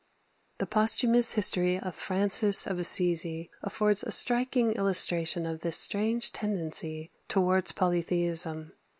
The posthumous history of Francis of Assisi affords a striking illustration of this strange tendency towards polytheism.